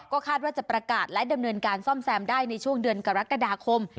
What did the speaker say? คาดว่าจะประกาศและดำเนินการซ่อมแซมได้ในช่วงเดือนกรกฎาคม